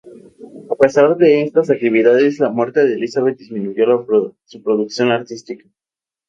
A pesar de estas actividades, la muerte de Elizabeth disminuyó su producción artística.